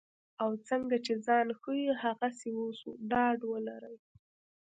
او څنګه چې ځان ښیو هغسې اوسو ډاډ ولرئ.